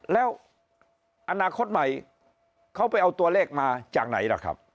แล้วอนาคตใหม่เขาไปเอาตัวเลขมาจากไหนล่ะครับ